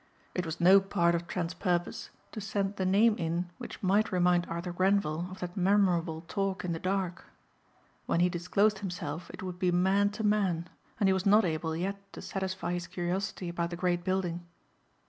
It was no part of Trent's purpose to send the name in which might remind Arthur Grenvil of that memorable talk in the dark. When he disclosed himself it would be man to man and he was not able yet to satisfy his curiosity about the great building.